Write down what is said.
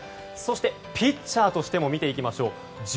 そして、ピッチャーとしても見ていきましょう。